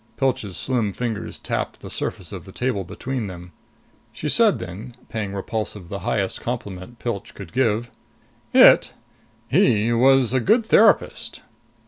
Pilch's slim fingers tapped the surface of the table between them. She said then, paying Repulsive the highest compliment Pilch could give, "It he was a good therapist!"